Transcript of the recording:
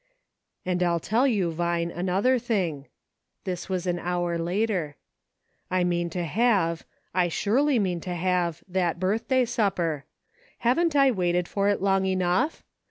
"And I'll tell you, Vine, another thing," — this was an hour later, — "I mean to have, I surely mean to have that birthday supper. Haven't I waited for it long enough.?